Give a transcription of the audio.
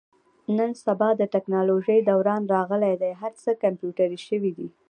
نن سبا د تکنالوژۍ دوران راغلی دی. هر څه کمپیوټري شوي دي.